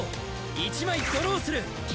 １枚ドローする！